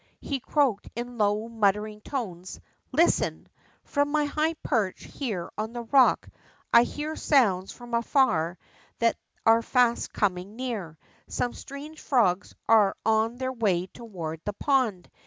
lie croaked in low, muttering tones: Listen : from my high perch here on the rock, I hear sounds from afar that are fast coming near. Some strange frogs are on their way toward the pond.